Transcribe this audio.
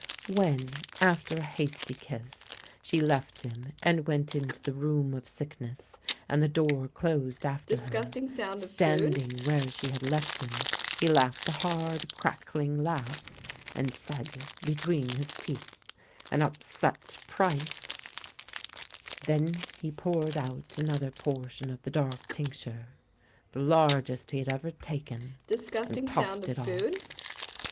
When, after a hasty kiss, she left him and went into the room of sickness, and the door closed after her, standing where she had left him he laughed a hard crackling laugh, and said between his teeth: " An upset price !" 18 274 THE LANE THAT HAD NO TURNING Then he poured out another portion of the dark tincture — the largest he had ever taken— and tossed it off.